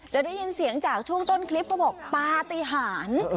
จะได้ยินเสียงจากช่วงต้นคลิปเขาบอกปฏิหาร